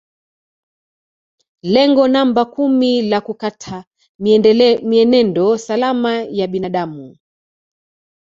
Lengo namba kumi la kutaka mienendo salama ya binadamu